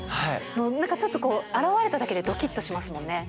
なんかちょっと現れただけでどきっとしますもんね。